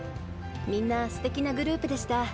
みんなステキなグループでした。